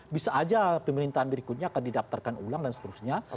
bisa aja pemerintahan berikutnya akan didaftarkan ulang dan seterusnya